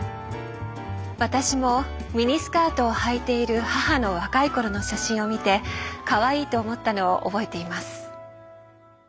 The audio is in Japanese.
私もミニスカートをはいている母の若い頃の写真を見てかわいいと思ったのを覚えています。